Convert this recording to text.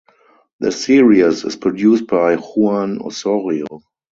The series is produced by Juan Osorio.